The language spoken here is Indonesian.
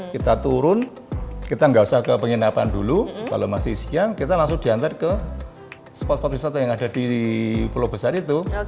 kita turun kita nggak usah ke penginapan dulu kalau masih sekian kita langsung diantar ke spot spot wisata yang ada di pulau besar itu